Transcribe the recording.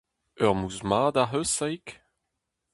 Ur mous mat ac'h eus, Saig ?